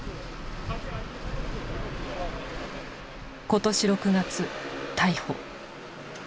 今年６月逮捕。